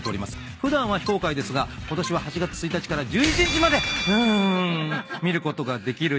普段は非公開ですがことしは８月１日から１１日までうん見ることができるよ。